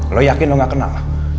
lo yakin lo gak kenal lah